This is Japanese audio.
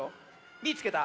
「みいつけた！